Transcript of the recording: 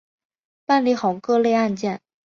办理好各类案件